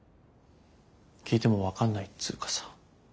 聞いても分かんないっつうかさ。